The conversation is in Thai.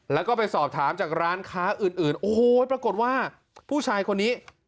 แล้วก็ไปสอบถามจากร้านค้าอื่นอื่นโอ้โหปรากฏว่าผู้ชายคนนี้